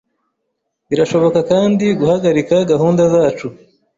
Birashoboka kandi guhagarika gahunda zacu,